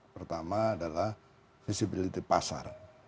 pertama adalah visibility pasar